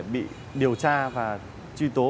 bị điều tra và truy tố